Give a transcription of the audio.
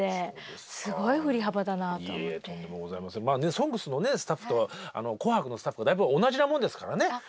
「ＳＯＮＧＳ」のスタッフと「紅白」のスタッフはだいぶ同じなもんですからね。